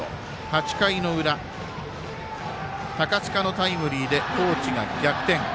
８回の裏、高塚のタイムリーで高知が逆転。